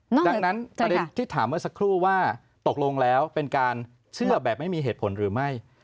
ดังนั้นประเด็นที่ถามเมื่อสักครู่ว่าตกลงแล้วเป็นการเชื่อแบบไม่มีเหตุผลหรือไม่